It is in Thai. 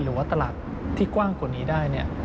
หรือว่าตลาดที่กว้างกว่านี้ได้